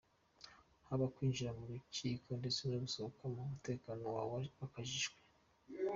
Haba Kwinjira mu rukiko ndetse no gusohokamo umutekano wakajijwe.